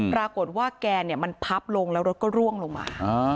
ปรากฏว่าแกมันพับลงแล้วรถก็ร่วงลงมา